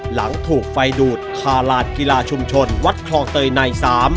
หลังถูกไฟดูดคาลาดกีฬาชุมชนวัดคลองเตยใน๓